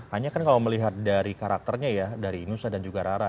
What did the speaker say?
hanya kan kalau melihat dari karakternya ya dari nusa dan juga rara